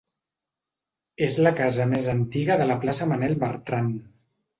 És la casa més antiga de la plaça Manel Bertran.